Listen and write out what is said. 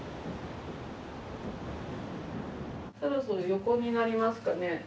そろそろ横になりますかね。